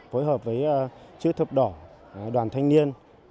phối hợp với chữ thập đỏ đoàn thanh niên